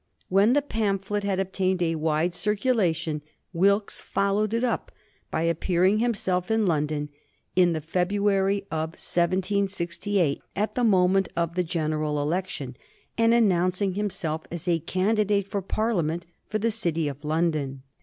When the pamphlet had obtained a wide circulation, Wilkes followed it up by appearing himself in London in the February of 1768, at the moment of the general election, and announcing himself as a candidate for Parliament for the City of London.